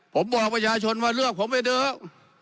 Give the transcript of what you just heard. ผมบอกประชาชนว่าเลือกผมไปเถอะ